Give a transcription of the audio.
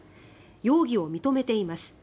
容疑を認めています。